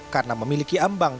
karena memiliki ambang